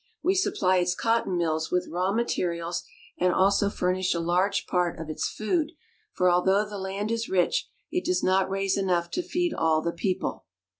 We supply its cotton mills with raw materials, and also furnish a large part of its food, for, although the land is rich, it does not raise enough to feed all the people.